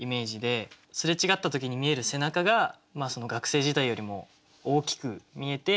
すれ違った時に見える背中が学生時代よりも大きく見えて。